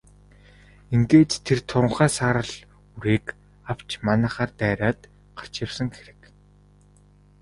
Ингээд тэр туранхай саарал үрээг авч манайхаар дайраад гарч явсан хэрэг.